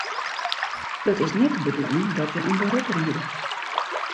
It is net de bedoeling dat je in berop riede.